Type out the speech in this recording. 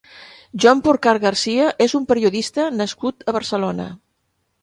Joan Porcar Garcia és un periodista nascut a Barcelona.